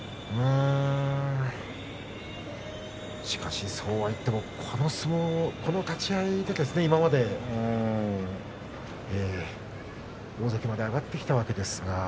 しかし、そうはいってもこの立ち合いで大関まで上がってきたわけですが。